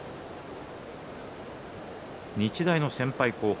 日大の先輩後輩